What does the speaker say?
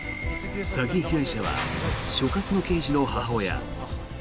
詐欺被害者は所轄の刑事の母親。